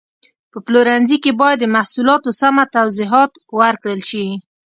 په پلورنځي کې باید د محصولاتو سمه توضیحات ورکړل شي.